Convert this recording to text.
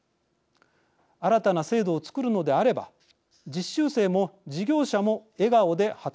新たな制度を作るのであれば実習生も事業者も笑顔で働ける